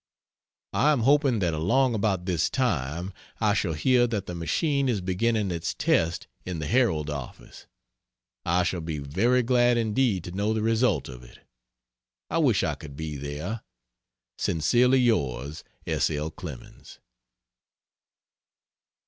I am hoping that along about this time I shall hear that the machine is beginning its test in the Herald office. I shall be very glad indeed to know the result of it. I wish I could be there. Sincerely yours S. L. CLEMENS.